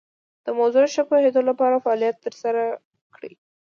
د موضوع ښه پوهیدو لپاره فعالیت تر سره کړئ.